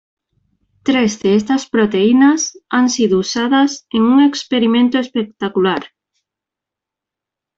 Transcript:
Tres de estas proteínas han sido usadas en un experimento espectacular.